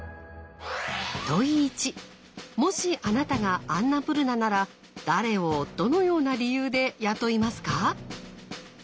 問１もしあなたがアンナプルナなら誰をどのような理由で雇いますか？